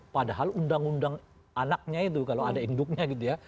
padahal undang undang anaknya itu kalau ada induknya gitu ya